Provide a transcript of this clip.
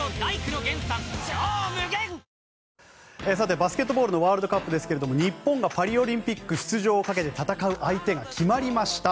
バスケットボールのワールドカップですけども日本がパリオリンピック出場をかけて戦う相手が決まりました。